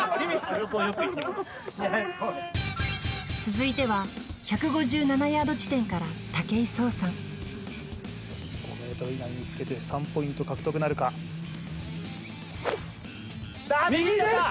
続いては１５７ヤード地点から武井壮さん５ｍ以内につけて３ポイント獲得なるか右です！